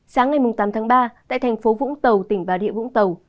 sáng ngày tám tháng ba tại tp vũng tàu tỉnh bà địa vũng tàu